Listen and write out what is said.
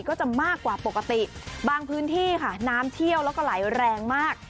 ก็จะมากกว่าปกติบางพื้นที่ค่ะน้ำเที่ยวแล้วก็ไหลแรงมาก